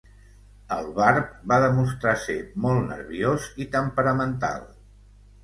El Barb va demostrar ser molt nerviós i temperamental.